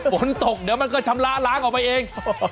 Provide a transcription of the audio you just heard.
ฝนตกเดี๋ยวมันก็ชำระล้างออกไปเอง